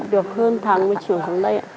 được hơn tháng một mươi chiều hôm nay